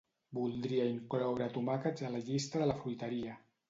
Voldria incloure tomàquets a la llista de la fruiteria.